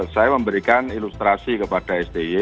saya memberikan ilustrasi kepada sti